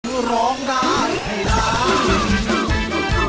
เพื่อร้องได้ให้ร้อง